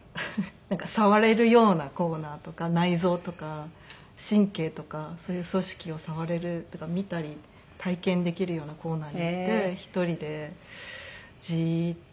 なんか触れるようなコーナーとか内臓とか神経とかそういう組織を触れるとか見たり体験できるようなコーナーに行って１人でじーっと。